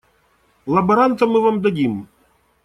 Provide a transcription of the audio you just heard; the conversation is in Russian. Лаборанта мы вам дадим.